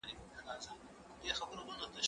زه به سبا اوبه پاک کړم!.